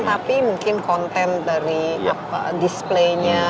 tapi mungkin konten dari display nya